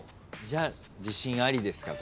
じゃあ自信ありですか？